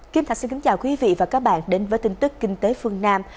kim thạch xin kính chào quý vị và các bạn đến với tin tức kinh tế phương nam